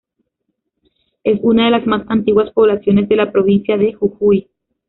Es una de las más antiguas poblaciones de la provincia de Jujuy.